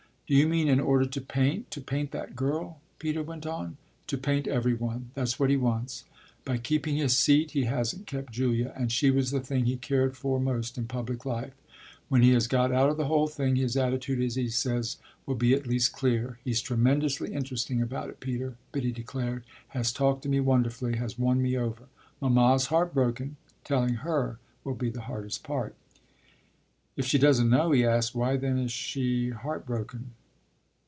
"Do you mean in order to paint to paint that girl?" Peter went on. "To paint every one that's what he wants. By keeping his seat he hasn't kept Julia, and she was the thing he cared for most in public life. When he has got out of the whole thing his attitude, as he says, will be at least clear. He's tremendously interesting about it, Peter," Biddy declared; "has talked to me wonderfully has won me over. Mamma's heart broken; telling her will be the hardest part." "If she doesn't know," he asked, "why then is she heart broken?"